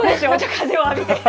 風を浴びて。